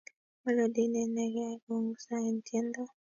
melodi neinekei kongusa eng tiendo